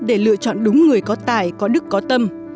để lựa chọn đúng người có tài có đức có tâm